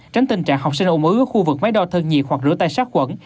tránh tình trạng học sinh ổn ứa khu vực máy đo thân nhiệt hoặc rửa tay sát quẩn